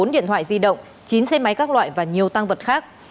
bốn điện thoại di động chín xe máy các loại và nhiều tăng vật khác